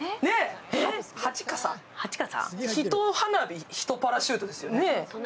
１花火、１パラシュートですよ。